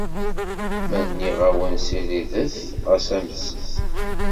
Ma nniɣ-awen ssiredet, xas ameset.